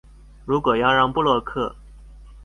如果要讓部落客